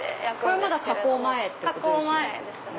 まだ加工前ってことですよね？